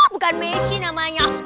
bukan messi namanya